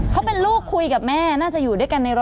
เขาเป็นลูกคุยกับแม่น่าจะอยู่ด้วยกันในรถ